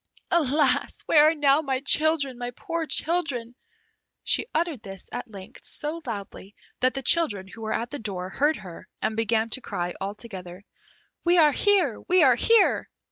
"Alas! where are now my children, my poor children?" She uttered this, at length, so loudly, that the children, who were at the door, heard her, and began to cry altogether, "We are here! we are here!"